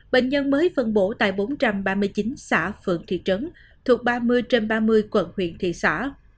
bệnh nhân mới phân bổ tại bốn trăm ba mươi chín xã phượng thị trấn thuộc ba mươi trên ba mươi quận huyện thị xã